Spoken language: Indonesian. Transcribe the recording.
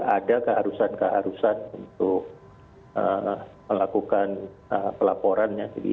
ada keharusan keharusan untuk melakukan pelaporan